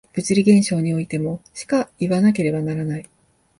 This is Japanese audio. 物理現象においてもしかいわなければならない。